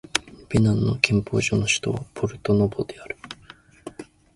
ベナンの憲法上の首都はポルトノボである